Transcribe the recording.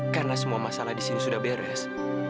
karena semua masalah di sini sudah beres